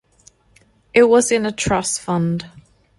It was in a trust fund.